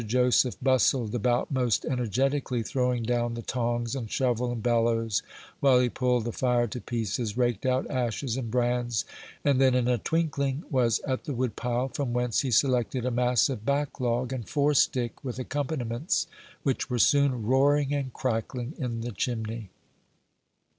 Joseph bustled about most energetically, throwing down the tongs, and shovel, and bellows, while he pulled the fire to pieces, raked out ashes and brands, and then, in a twinkling, was at the woodpile, from whence he selected a massive backlog and forestick, with accompaniments, which were soon roaring and crackling in the chimney.